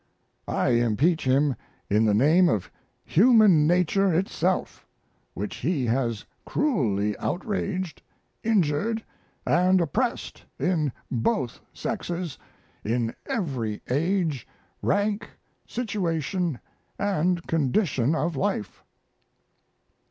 I impeach him in the name of human nature itself, which he has cruelly outraged, injured, and oppressed, in both sexes, in every age, rank, situation, and condition of life.